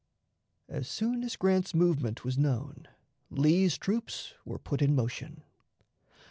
As soon as Grant's movement was known, Lee's troops were put in motion.